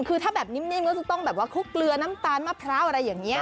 คือถ้าแบบนิ่มก็จะต้องแบบว่าคลุกเกลือน้ำตาลมะพร้าวอะไรอย่างนี้